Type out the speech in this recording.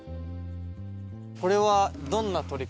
これはどんな採り方？